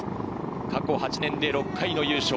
過去８年で６回の優勝。